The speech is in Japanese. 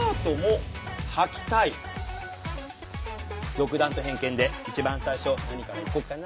独断と偏見で一番最初何からいこうかな。